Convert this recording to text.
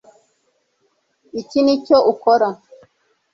iki nicyo ukora